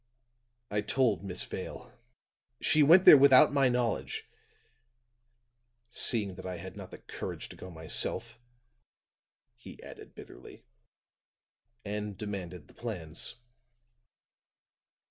I told Miss Vale; she went there without my knowledge seeing that I had not the courage to go myself," he added bitterly "and demanded the plans."